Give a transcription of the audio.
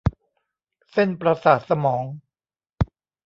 เส้นประสาทสมอง